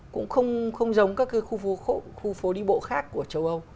cũng không giống các khu phố đi bộ khác của châu âu